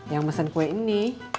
yang mesen kue ini